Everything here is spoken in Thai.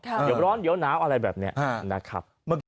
เดือดร้อนเวลาอะไรแบบนี้นะครับ